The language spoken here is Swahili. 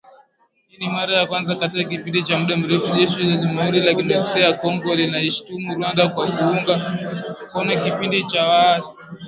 Hii ni mara ya kwanza katika kipindi cha muda mrefu, Jeshi la Jamhuri ya Kidemokrasia ya kongo linaishutumu Rwanda kwa kuunga mkono kikundi cha waasi